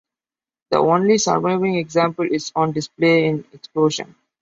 The only surviving example is on display in Explosion!